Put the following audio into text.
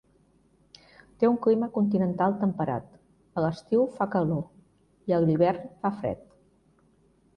Té un clima continental temperat, a l'estiu fa calor i a l'hivern fa fred.